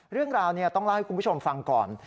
เรื่องราวต้องเล่าให้คุณผู้ชมฟังก่อน